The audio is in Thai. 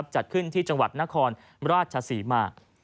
จัดขึ้นที่จังหวัดนครราชศรีมา